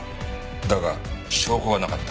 だが証拠がなかった。